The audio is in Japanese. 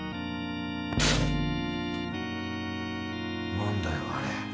何だよあれ？